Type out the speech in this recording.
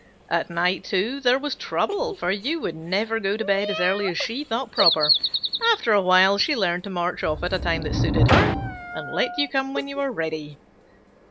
At night, too, there was trouble, for you would never go to bed as early as she thought proper. After a while she learned to march off at a time that suited her, and let you come when you were ready."